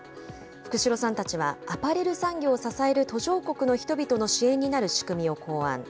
福代さんたちは、アパレル産業を支える途上国の人々の支援になる仕組みを考案。